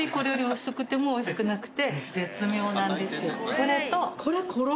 それと。